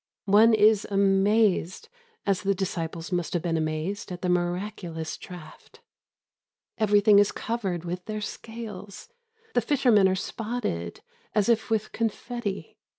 One is amazed, as the disciples must have been amazed at the miraculous draught. Everything is covered with their scales. The fishermen are spotted as if with confetti.